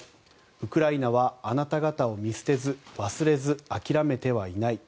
ウクライナはあなた方を見捨てず忘れず諦めてはいない。